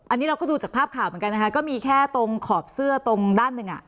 อันนี้เราก็ดูจากภาพข่าวเหมือนกันนะคะก็มีแค่ตรงขอบเสื้อตรงด้านหนึ่งอ่ะ